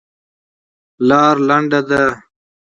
لاره لنډه ده.